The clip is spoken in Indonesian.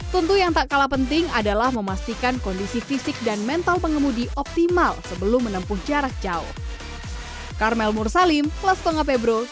tentu yang tak kalah penting adalah memastikan kondisi fisik dan mental pengemudi optimal sebelum menempuh jarak jauh